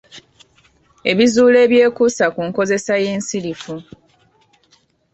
Ebizuulo ebyekuusa ku nkozesa y’ensirifu.